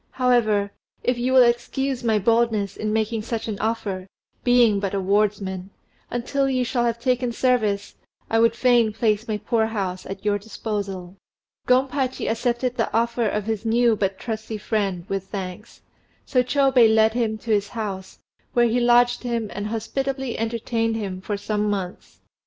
"However, if you will excuse my boldness in making such an offer, being but a wardsman, until you shall have taken service I would fain place my poor house at your disposal." Gompachi accepted the offer of his new but trusty friend with thanks; so Chôbei led him to his house, where he lodged him and hospitably entertained him for some months.